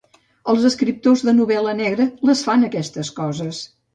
Els escriptors de novel·la negra les fan, aquestes coses.